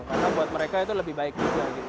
karena buat mereka itu lebih baik juga gitu